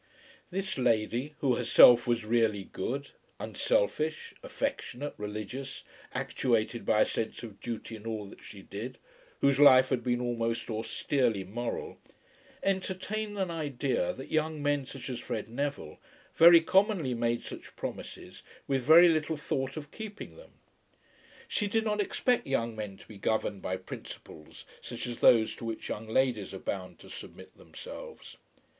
This lady, who herself was really good, unselfish, affectionate, religious, actuated by a sense of duty in all that she did, whose life had been almost austerely moral, entertained an idea that young men, such as Fred Neville, very commonly made such promises with very little thought of keeping them. She did not expect young men to be governed by principles such as those to which young ladies are bound to submit themselves.